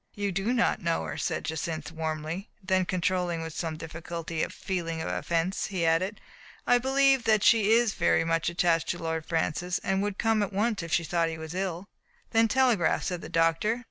"You do not know her," said Jacynth warmly; then, controlling with some difficulty a feeling of offense, he added, "I believe that she is very much attached to Lord Francis, and would come at once if she thought that he was ill." "Then telegraph," said the doctor.